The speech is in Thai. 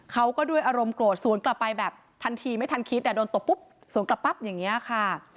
เขาก็ด้วยอารมณ์โกรธสวนกลับไปแบบทันทีไม่ทันคิดโดนตบปุ๊บสวนกลับปั๊บอย่างนี้ค่ะ